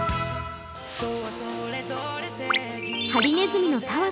ハリネズミのたわ